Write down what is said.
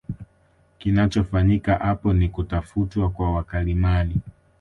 Kinachofanyika apo ni kutafutwa kwa wakalimani